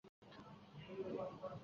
杨延俊人。